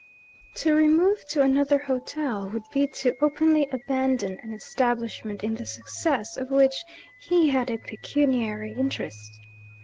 To remove to another hotel, would be to openly abandon an establishment in the success of which he had a pecuniary interest.